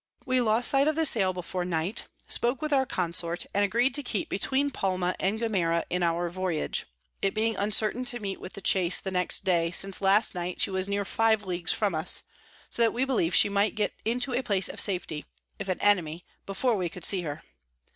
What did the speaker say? We lost sight of the Sail before Night, spoke with our Consort, and agreed to keep between Palma and Gomera in our Voyage; it being uncertain to meet with the Chase the next day, since last night she was near five Leagues from us, so that we believ'd she might get into a place of safety, if an Enemy, before we could see her.